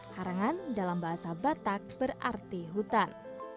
harangan dalam bahasa batak berarti hutan